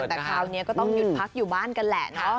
แต่คราวนี้ก็ต้องหยุดพักอยู่บ้านกันแหละเนาะ